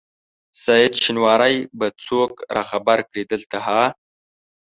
سعید شېنواری به څوک راخبر کړي دلته ها؟